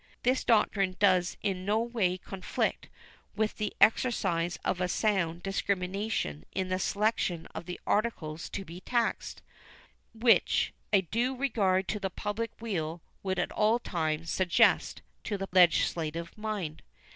This doctrine does in no way conflict with the exercise of a sound discrimination in the selection of the articles to be taxed, which a due regard to the public weal would at all times suggest to the legislative mind.